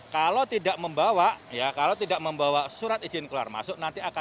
kalau tidak membawa surat izin keluar masuk